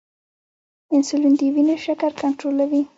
انسولین د وینې شکر کنټرولوي